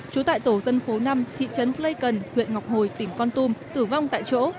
trú tại tổ dân khố năm thị trấn flaycon huyện ngọc hồi tỉnh con tum tử vong tại chỗ